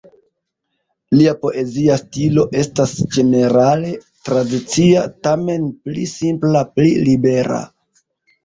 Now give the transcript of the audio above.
Lia poezia stilo estas ĝenerale tradicia, tamen pli simpla, pli libera.